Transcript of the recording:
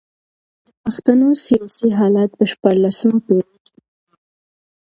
د پښتنو سیاسي حالت په شپاړلسمه پېړۍ کي خراب و.